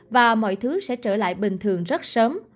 và mọi thứ sẽ trở lại bình thường rất sớm